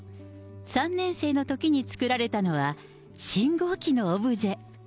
３年生のときに作られたのは、信号機のオブジェ。